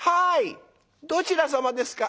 どちら様ですか。